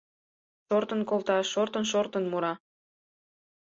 шортын колта, шортын-шортын мура.